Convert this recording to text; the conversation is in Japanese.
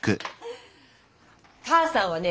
母さんはね